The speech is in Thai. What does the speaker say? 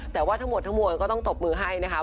แต่ว่าทั้งหมดทั้งมวลก็ต้องตบมือให้นะคะ